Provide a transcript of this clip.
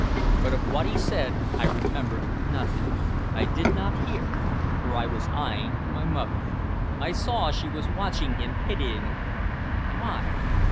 But of what he said I remembered nothing, I did not hear, for I was eyeing my mother. I saw she was watching him pityingly. Why?